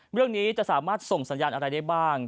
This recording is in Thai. เรื่องนี้จะสามารถส่งสัญญาณอะไรได้บ้าง